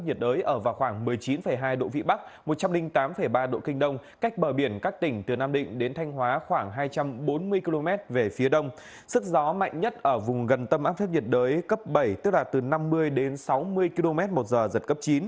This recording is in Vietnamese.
gió mạnh nhất ở vùng gần tâm áp thấp nhiệt đới cấp bảy tức là từ năm mươi đến sáu mươi km một giờ giật cấp chín